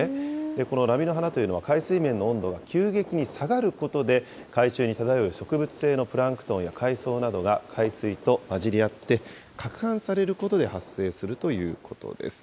この波の花というのは、海水面の温度が急激に下がることで、海中に漂う植物性のプランクトンや海藻などが海水と混じり合って、かくはんされることで発生するということです。